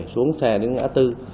xuống xe đến ngã tư